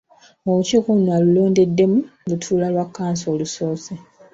Olukiiko luno alulondedde mu lutuula lwa kkanso olusoose .